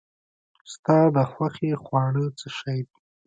ژوند په زخمت ارزي